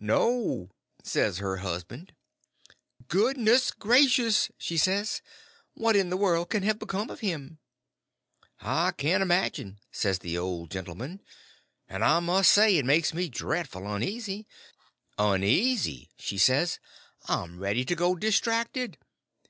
"No," says her husband. "Good ness gracious!" she says, "what in the warld can have become of him?" "I can't imagine," says the old gentleman; "and I must say it makes me dreadful uneasy." "Uneasy!" she says; "I'm ready to go distracted!